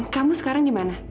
kamu sekarang di mana